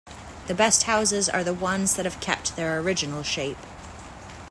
The best houses are the ones that have kept their original shape.